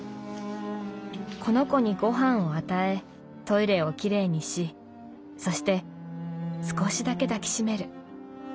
この子にごはんを与えトイレをきれいにしそして少しだけ抱きしめる。